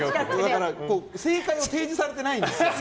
正解を提示されてないんですよ。